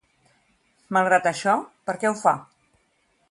Malgrat això, per què ho fa?